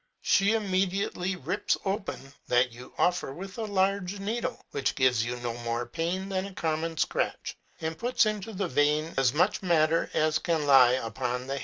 She immediately rips open that you offer to her with a large needle (which gives you no more pain than a common scratch), and puts into the vein as much matter as can lie upon the.